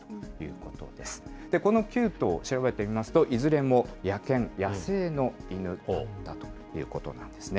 この９頭、調べてみますと、いずれも野犬、野生の犬だということなんですね。